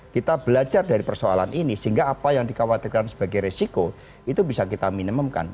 kita belajar dari persoalan ini sehingga apa yang dikhawatirkan sebagai resiko itu bisa kita minimumkan